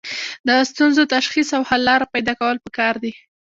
د ستونزو تشخیص او حل لاره پیدا کول پکار دي.